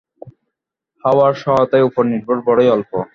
হাওয়ার সহায়তায় উপর নির্ভর বড়ই অল্প।